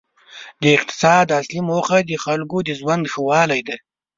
د اقتصاد اصلي موخه د خلکو د ژوند ښه والی دی.